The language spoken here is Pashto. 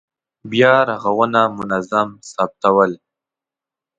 بیا رغونه منظم ثبتول.